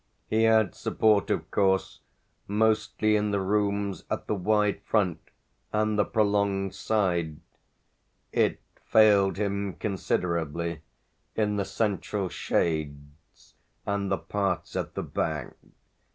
He had support of course mostly in the rooms at the wide front and the prolonged side; it failed him considerably in the central shades and the parts at the back.